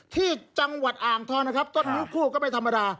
ที่จังหวัดอ่างทองนะครับต้นนิ้วคู่ก็ไม่ธรรมดา